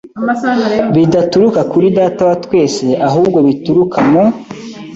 bidaturuka kuri Data wa twese ahubwo bituruka mu